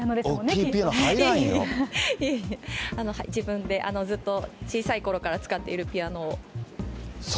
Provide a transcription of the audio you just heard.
いえいえ、自分で、ずっと小さいころから使っているピアノを。